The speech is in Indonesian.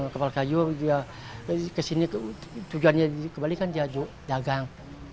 kapal kayu dia ke sini tujuannya di bali kan dia dagang